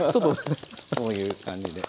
こういう感じで。